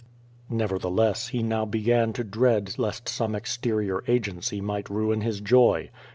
Nevertheless, he now began to dread lest some exterior agency might ruin his joy.